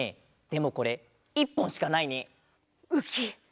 でもこれ１ぽんしかないね。ウキ。